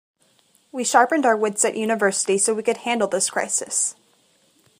We sharpened our wits at university so we could handle this crisis.